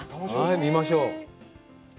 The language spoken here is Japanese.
見ましょう。